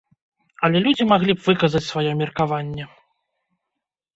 Але людзі маглі б выказаць сваё меркаванне?